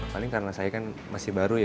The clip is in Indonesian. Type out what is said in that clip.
paling karena saya kan masih baru ya